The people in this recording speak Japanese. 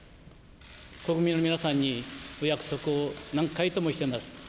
国民の皆さんにお約束を何回ともしてます。